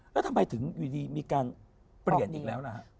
แล้วทำไมถึงอยู่ดีมีการเปลี่ยนอีกแล้วล่ะฮะ